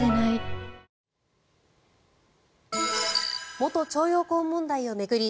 元徴用工問題を巡り